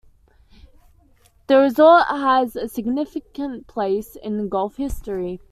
The resort has a significant place in golf history.